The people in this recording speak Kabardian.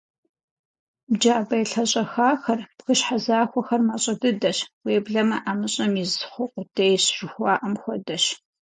Джабэ елъэщӏэхахэр, бгыщхьэ захуэхэр мащӏэ дыдэщ, уеблэмэ «ӏэмыщӏэм из хъу къудейщ» жыхуаӏэм хуэдэщ.